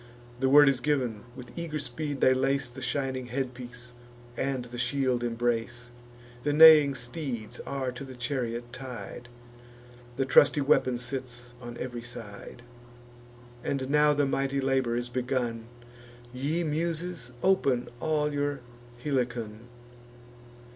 The word is giv'n; with eager speed they lace The shining headpiece, and the shield embrace. The neighing steeds are to the chariot tied; The trusty weapon sits on ev'ry side. And now the mighty labour is begun Ye Muses, open all your Helicon.